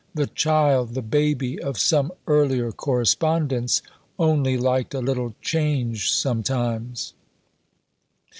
The "child" the "baby" of some earlier correspondence only liked a little change sometimes.